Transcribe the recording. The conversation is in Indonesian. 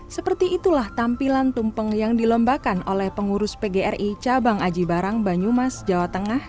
seperti itulah tampilan tumpeng yang dilombakan oleh pengurus pgri cabang aji barang banyumas jawa tengah